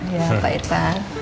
iya pak irfan